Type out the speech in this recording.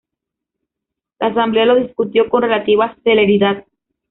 La Asamblea lo discutió con relativa celeridad.